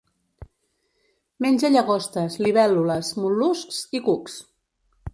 Menja llagostes, libèl·lules, mol·luscs i cucs.